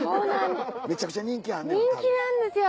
めちゃくちゃ人気あんねや。